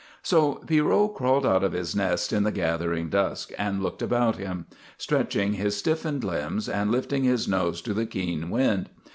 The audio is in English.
So Pierrot crawled out of his nest in the gathering dusk and looked about him, stretching his stiffened limbs and lifting his nose to the keen wind.